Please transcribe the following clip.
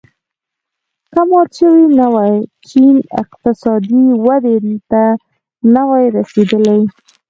که مات شوی نه وای چین اقتصادي ودې ته نه وای رسېدلی.